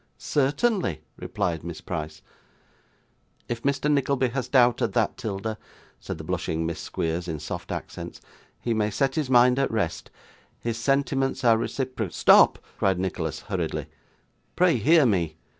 'Certainly,' replied Miss Price 'If Mr. Nickleby has doubted that, 'Tilda,' said the blushing Miss Squeers in soft accents, 'he may set his mind at rest. His sentiments are recipro ' 'Stop,' cried Nicholas hurriedly; 'pray hear me.